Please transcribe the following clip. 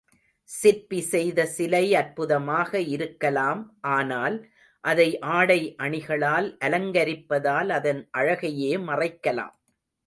சிற்பி செய்த சிலை அற்புதமாக இருக்கலாம் ஆனால், அதை ஆடை அணிகளால் அலங்கரிப்பதால் அதன் அழகையே மறைக்கலாம்.